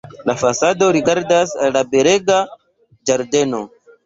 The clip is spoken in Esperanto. La fasado rigardas al la belega ĝardeno.